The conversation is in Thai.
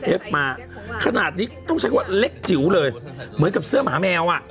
เอฟมาขนาดนี้ต้องใช้คำว่าเล็กจิ๋วเลยเหมือนกับเสื้อหมาแมวอ่ะ